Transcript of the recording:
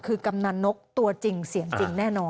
คือกำนันนกตัวจริงเสียงจริงแน่นอน